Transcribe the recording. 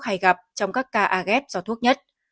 hay gặp trong các ca agep do thuốc nhất